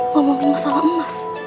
ngomongin masalah emas